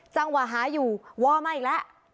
จังหวะหาอยู่วอลมาอีกแล้ว